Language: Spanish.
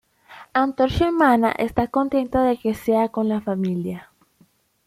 Antorcha Humana está contento de que sea con la familia.